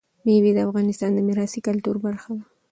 مېوې د افغانستان د کلتوري میراث برخه ده.